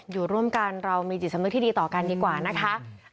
อยู่ร่วมกันเรามีจิตสำนึกที่ดีต่อกันดีกว่านะคะ